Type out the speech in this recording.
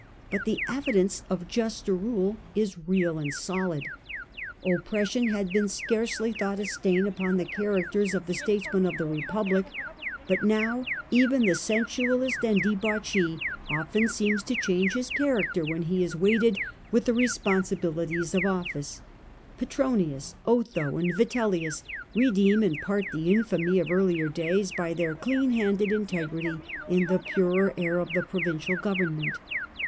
But the evidences of juster rule are real and solid Oppression had been scarcely thought a stain upon the characters of the statesmen of the Republic ;„..^ EvidenoM but now even the sensualist and debauchee of improve often seems to change his nature when he is weighted with the responsibilities of office. Petronius, Otho, and Vitellius redeem in part the infamy of earlier days by their clean handed integrity in the purer air of a provincial government.